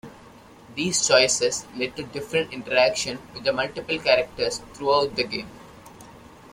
These choices lead to different interactions with the multiple characters throughout the game.